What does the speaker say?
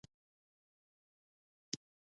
کتاب سنت استنباط شوې.